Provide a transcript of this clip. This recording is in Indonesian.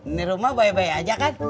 ini rumah baik baik aja kan